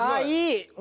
いい！